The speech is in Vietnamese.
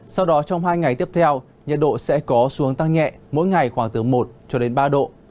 sau đó trong hai ngày tiếp theo nhiệt độ sẽ có xuống tăng nhẹ mỗi ngày khoảng từ một cho đến ba độ